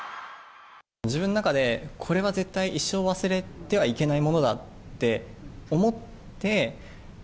自分の中で、これは絶対一生忘れてはいけないものだって思って。